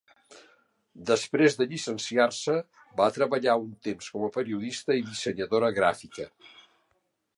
Després de llicenciar-se, va treballar un temps com a periodista i dissenyadora gràfica.